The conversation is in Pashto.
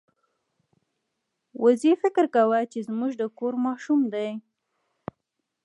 وزې فکر کاوه چې زموږ د کور ماشوم دی.